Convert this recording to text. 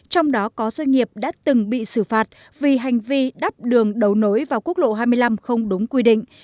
trong đó có doanh nghiệp đã từng bị xử phạt vì hành vi đắp đường đấu nối vào quốc lộ hai mươi năm không đúng quy định